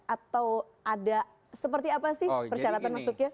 atau ada seperti apa sih persyaratan masuknya